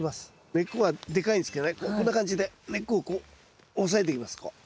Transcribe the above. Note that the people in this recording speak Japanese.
根っこがでかいんですけどねこんな感じで根っこをこう押さえていきますこう。